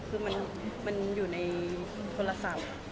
คือมันอยู่ในโทรศัพท์